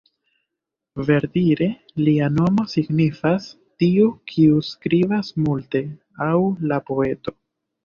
Verdire, lia nomo signifas "tiu kiu skribas multe" aŭ la poeto.